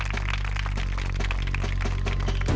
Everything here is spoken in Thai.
สวัสดีครับ